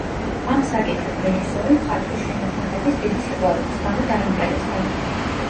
ამ საკითხით რეჟისორი მხატვრის შემოქმედების დიდი სიყვარულის გამო დაინტერესდა.